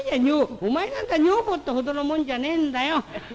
お前なんざ女房ってほどのもんじゃねえんだよ。